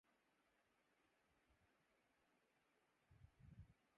وہ ابھی گوجرانوالہ پہنچے ہی تھے